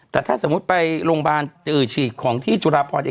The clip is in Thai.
แต่ถ้าสมมติไปโรงพยาบาลตื่อฉีกของที่จุฬาปอดเอง